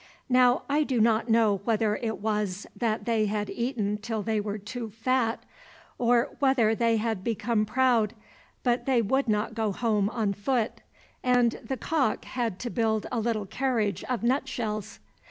Now I do not know whether it was that they had eaten till they were too fat, or whether they had become proud, but they would not go home on foot, and the cock had to build a little carriage of nut shells.